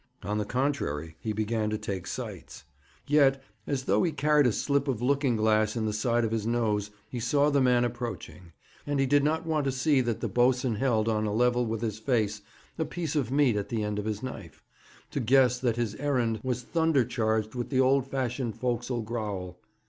On the contrary, he began to take sights. Yet, as though he carried a slip of looking glass in the side of his nose, he saw the man approaching, and he did not want to see that the boatswain held, on a level with his face, a piece of meat at the end of his knife, to guess that his errand was thunder charged with the old fashioned forecastle growl.